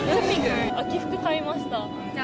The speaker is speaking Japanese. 秋服買いました。